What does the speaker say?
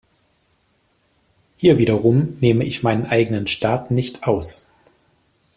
Hier wiederum nehme ich meinen eigenen Staat nicht aus.